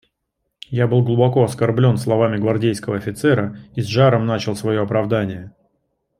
Я был глубоко оскорблен словами гвардейского офицера и с жаром начал свое оправдание.